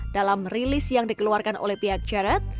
dalam rilis yang dikeluarkan oleh pihak jarod